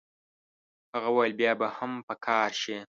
هغه وویل بیا به هم په کار شي.